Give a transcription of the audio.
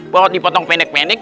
buat dipotong pendek pendek